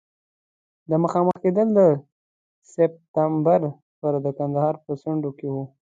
دا مخامخ کېدل د سپټمبر پر د کندهار په څنډو کې وو.